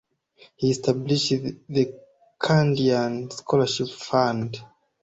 He established the Kandyan Scholarship Fund.